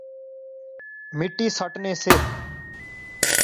مٹی سٹنے سے